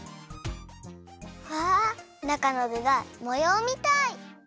わあっなかのぐがもようみたい！